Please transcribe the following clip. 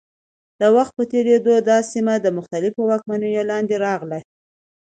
د وخت په تېرېدو دا سیمه د مختلفو واکمنیو لاندې راغله.